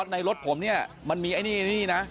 ในรถผมเนี่ยมันมีไอ้นี่นะ